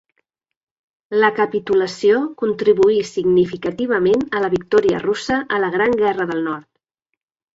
La capitulació contribuí significativament a la victòria russa a la Gran Guerra del Nord.